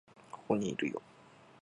ここにいるよ